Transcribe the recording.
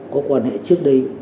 có quan hệ trước đây